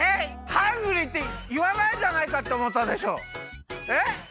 ハングリーっていわないんじゃないかっておもったでしょ？え？